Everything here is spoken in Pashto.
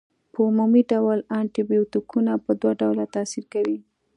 په عمومي ډول انټي بیوټیکونه په دوه ډوله تاثیر کوي.